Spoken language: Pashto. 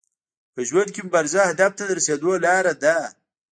په ژوند کي مبارزه هدف ته د رسیدو لار ده.